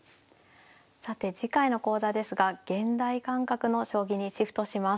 さて次回の講座ですが現代感覚の将棋にシフトします。